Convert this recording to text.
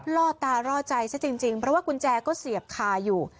ล่อตาล่อใจซะจริงเพราะว่ากุญแจก็เสียบคาอยู่